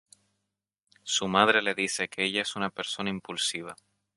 Su madre le dice que ella es una persona impulsiva.